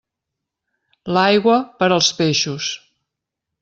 L'aigua, per als peixos.